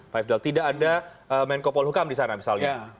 pak ifdal tidak ada menko polhukam di sana misalnya